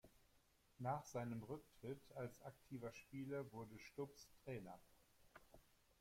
Nach seinem Rücktritt als aktiver Spieler wurde Stubbs Trainer.